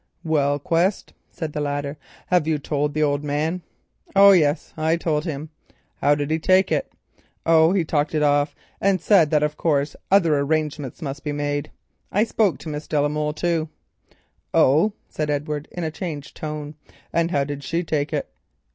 "Well, Quest," said the latter, "have you told the old man?" "Yes, I told him." "How did he take it?" "Oh, talked it off and said that of course other arrangements must be made. I spoke to Miss de la Molle too." "Indeed," said Edward, in a changed tone, "and how did she take it?"